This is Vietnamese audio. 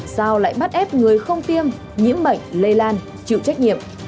sao lại bắt ép người không tiêm nhiễm bệnh lây lan chịu trách nhiệm